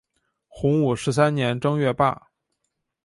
洪武十三年正月罢。